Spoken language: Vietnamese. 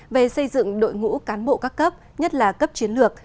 về xây dựng đội ngũ cán bộ các cấp nhất là cấp chiến lược